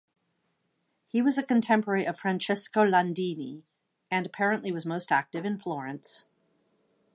He was a contemporary of Francesco Landini, and apparently was most active in Florence.